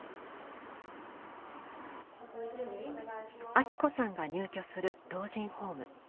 アキ子さんが入居する老人ホーム。